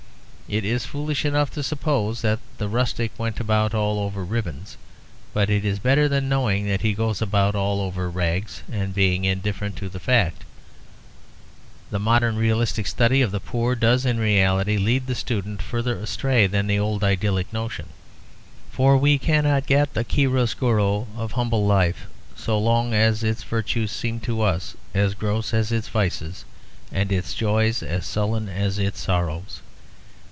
It is foolish enough to suppose that the rustic went about all over ribbons, but it is better than knowing that he goes about all over rags and being indifferent to the fact. The modern realistic study of the poor does in reality lead the student further astray than the old idyllic notion. For we cannot get the chiaroscuro of humble life so long as its virtues seem to us as gross as its vices and its joys as sullen as its sorrows.